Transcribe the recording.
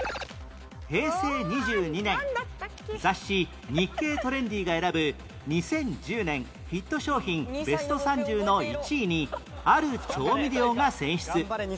平成２２年雑誌『日経トレンディ』が選ぶ２０１０年ヒット商品ベスト３０の１位にある調味料が選出